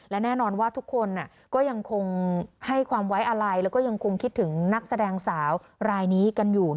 และแน่นอนว่าทุกคนก็ยังคงให้ความไว้อาลัย